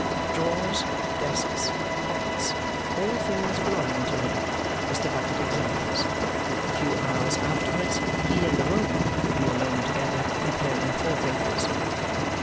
Drawers, desks, pockets, all things belonging to him, Mr. Bucket examines. A few hours afterwards, he and the Roman will be alone together comparing forefingers.